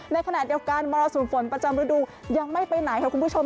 ในขณะเดียวกันมรสุมฝนประจำฤดูยังไม่ไปไหนค่ะคุณผู้ชม